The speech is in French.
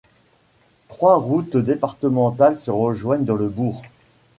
Trois routes départementales se rejoignent dans le bourg.